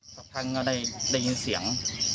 เป็นทางได้ยินเสียง